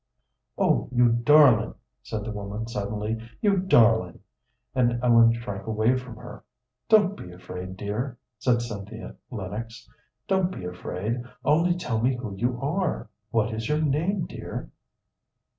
"Oh, you darling!" said the woman, suddenly; "you darling!" and Ellen shrank away from her. "Don't be afraid, dear," said Cynthia Lennox. "Don't be afraid, only tell me who you are. What is your name, dear?"